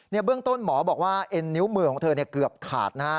เบื้องต้นหมอบอกว่าเอ็นนิ้วมือของเธอเกือบขาดนะฮะ